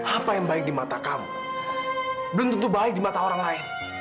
apa yang baik di mata kamu belum tentu baik di mata orang lain